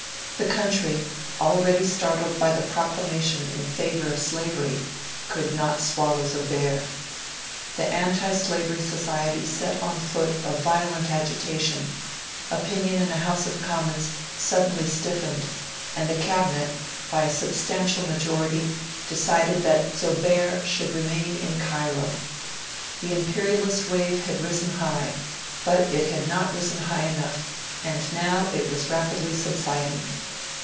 The country, already startled by the proclamation in favour of slavery, could not swallow Zobeir. The Anti Slavery Society set on foot a violent agitation, opinion in the House of Commons suddenly stiffened, and the Cabinet, by a substantial majority, decided that Zobeir should remain in Cairo. The imperialist wave had risen high, but it had not risen high enough; and now it was rapidly subsiding.